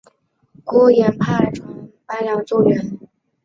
郭衍派船搬运粮食救援。